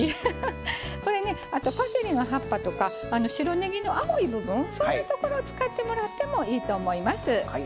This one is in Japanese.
これねあとパセリの葉っぱとか白ねぎの青い部分そんなところを使ってもらってもいいと思います。